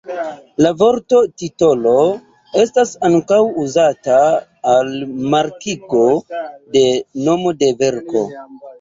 La vorto titolo estas ankaŭ uzata al markigo de nomo de verko.